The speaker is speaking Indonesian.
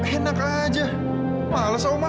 enak aja males oma gak mau